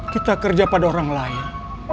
kita kerja pada orang lain